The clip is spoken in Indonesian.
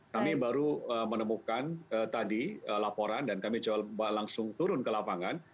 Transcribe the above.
kami baru menemukan tadi laporan dan kami coba langsung turun ke lapangan